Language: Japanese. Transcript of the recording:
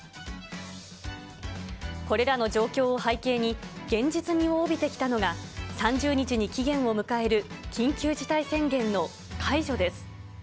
これらの状況を背景に、現実味を帯びてきたのが、３０日に期限を迎える緊急事態宣言の解除です。